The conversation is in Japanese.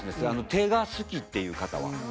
手が好きっていう方は。